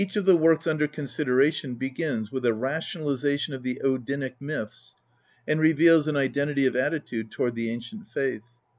INTRODUCTION xv of the works under consideration begins with a rationali zation of the Odinic myths, and reveals an identity of attitude toward the ancient faith.